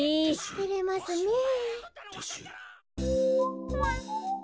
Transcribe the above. てれますねえ。